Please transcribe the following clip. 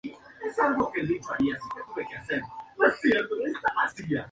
Una de ellas tiene doce integrantes: el matrimonio y diez hijos, adolescentes y niños.